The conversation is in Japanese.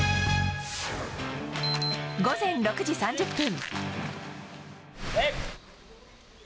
午前６時３０分。